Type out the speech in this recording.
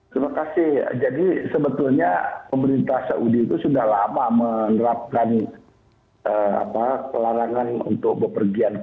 terima kasih jadi sebetulnya pemerintah saudi itu sudah lama menerapkan pelarangan untuk bepergian